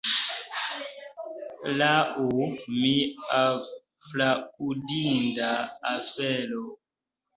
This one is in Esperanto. Lau mi aplaudinda afero.